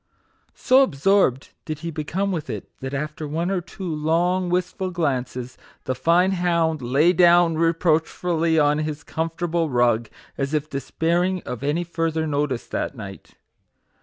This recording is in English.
So absorbed did he become with it, that after one or two long, wistful glances, the fine hound lay down reproachfully on his com fortable rug, as if despairing of any further notice that night.